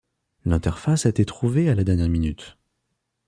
L'interface a été trouvé à la dernière minute.